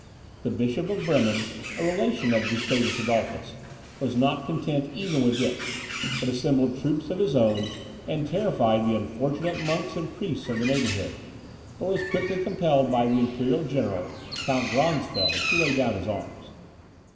The Bishop of Bremen, a relation of Gustavus Adolphus, was not content even with this; but assembled troops of his own, and terrified the unfortunate monks and priests of the neighbourhood, but was quickly compelled by the imperial general, Count Gronsfeld, to lay down his arms.